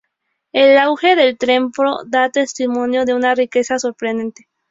El ajuar del templo da testimonio de una riqueza sorprendente.